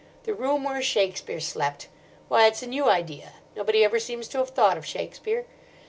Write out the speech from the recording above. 'The room where Shakespeare slept!' Why, it's a new idea. Nobody ever seems to have thought of Shakespeare.